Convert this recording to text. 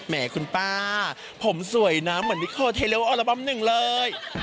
แม่คุณป้าผมสวยนะเหมือนวิทยาลัยอัลบั้มหนึ่งเลย